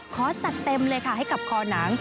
ขอจัดเต็มเลยค่ะให้กับคอหนัง